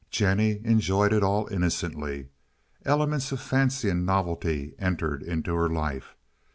Jennie enjoyed it all innocently. Elements of fancy and novelty entered into her life.